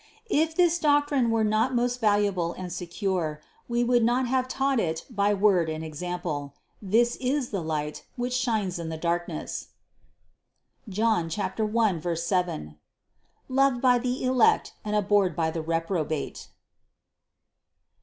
If this doctrine were not most valuable and secure, We would not have taught it by word and example. This is the light, which shines in the darkness (John 1, 7), loved by the elect and abhorred by the reprobate.